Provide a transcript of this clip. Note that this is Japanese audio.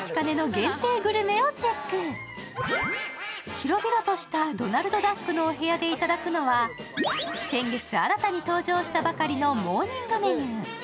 広々としたドナルドダックのお部屋でいただくのは、先月新たに登場したばかりのモーニングメニュー。